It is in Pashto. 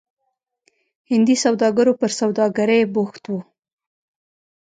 هندي سوداګرو پر سوداګرۍ بوخت وو.